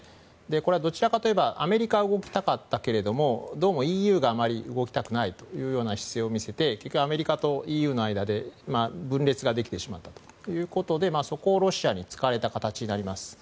これはどちらかといえばアメリカは動きたかったけれどもどうもＥＵがあまり動きたくないという姿勢を見せて結果、アメリカとＥＵとの間で分裂ができてしまったということでそこをロシアに突かれた形になります。